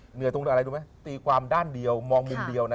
เหนื่อยตรงอะไรรู้ไหมตีความด้านเดียวมองมุมเดียวนะ